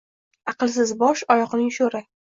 Aqlsiz bosh - oyoqning sho’ri.